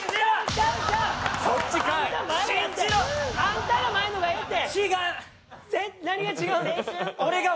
あんたが前の方がええって！